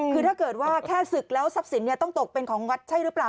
คือถ้าเกิดว่าแค่ศึกแล้วทรัพย์สินต้องตกเป็นของวัดใช่หรือเปล่า